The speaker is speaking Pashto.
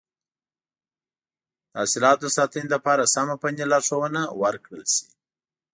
د حاصلاتو د ساتنې لپاره سمه فني لارښوونه ورکړل شي.